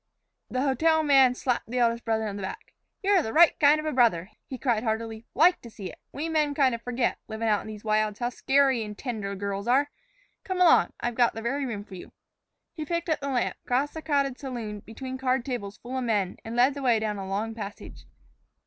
The hotel man slapped the eldest brother on the back. "You're the right kind of a brother," he cried heartily; "like to see it. We men kind o' forget, living out in these wilds, how scarey and tender girls are. Come along, I've got the very room for you." He picked up the lamp, crossed the crowded saloon, between card tables full of men, and led the way down a long passage.